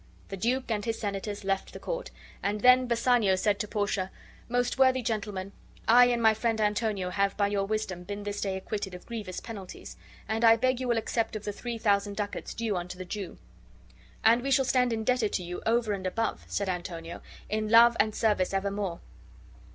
The duke and his senators left the court; and then Bassanio said to Portia: "Most worthy gentleman, I and my friend Antonio have by your wisdom been this day acquitted of grievous penalties, and I beg you will accept of the three thousand ducats due unto the Jew." "And we shall stand indebted to you over and above," said Antonio, "in love and service evermore."